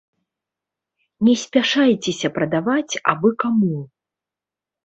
Не спяшайцеся прадаваць абы каму.